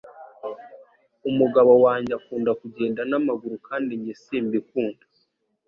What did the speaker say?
umugabo wanjye akunda kujyenda namaguru kandi njye simbikunda